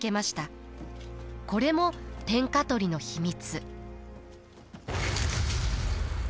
これも天下取りの秘密。